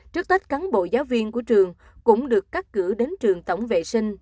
trước tết cán bộ giáo viên của trường cũng được cắt cửa đến trường tổng vệ sinh